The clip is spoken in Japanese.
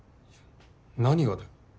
何がだよ。